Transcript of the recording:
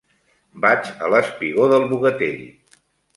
Vaig al espigó del Bogatell.